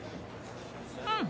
うん。